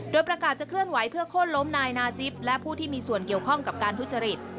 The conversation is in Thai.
โดยประกาศจะเคลื่อนไหวเพื่อโค้นล้มนายนาจิปและผู้ที่มีส่วนเกี่ยวข้องกับการทุจริต